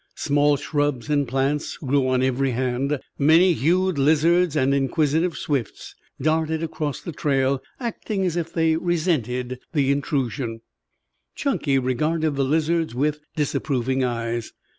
Small shrubs and plants grew on every hand, many hued lizards and inquisitive swifts darted across the trail, acting as if they resented the intrusion. Chunky regarded the lizards with disapproving eyes.